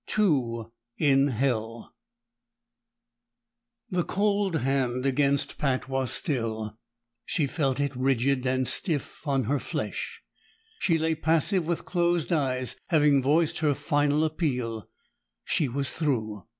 27 Two in Hell The cold hand against Pat was still; she felt it rigid and stiff on her flesh. She lay passive with closed eyes; having voiced her final appeal, she was through.